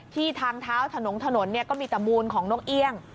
ที่ทางเท้าถนนเนี่ยก็มีตะมูลของนกเอี่ยง